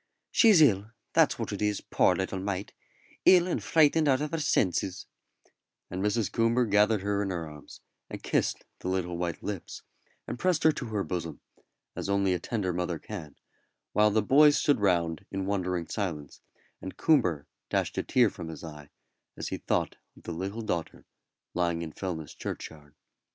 "She's ill, that's what it is, poor little mite ill and frightened out of her senses;" and Mrs. Coomber gathered her in her arms, and kissed the little white lips, and pressed her to her bosom, as only a tender mother can, while the boys stood round in wondering silence, and Coomber dashed a tear from his eye as he thought of the little daughter lying in Fellness churchyard.